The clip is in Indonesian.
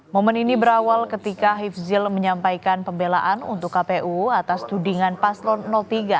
momen ini berawal ketika hifzil menyampaikan pembelaan untuk kpu atas tudingan paslon tiga